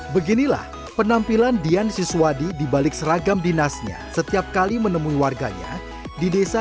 beginilah penampilan dian siswadi dibalik seragam dinasnya setiap kali menemui warganya di desa